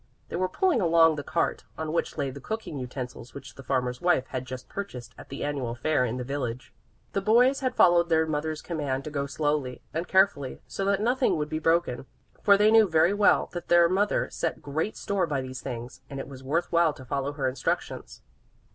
They were pulling along the cart, on which lay the cooking utensils which the farmer's wife had just purchased at the annual fair in the village. The boys had followed their mother's command to go slowly and carefully, so that nothing would be broken, for they knew very well that their mother set great store by these things, and it was worth while to follow her instructions.